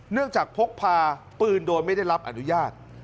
จากพกพาปืนโดยไม่ได้รับอนุญาต